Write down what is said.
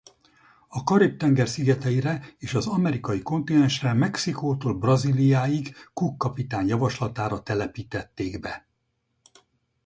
A Karib-tenger szigeteire és az amerikai kontinensre Mexikótól Brazíliáig Cook kapitány javaslatára telepítették be.